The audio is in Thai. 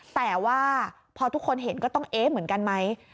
แต่ว่าพอทุกคนเห็นก็ต้องเอ๊ะเหมือนกันไหม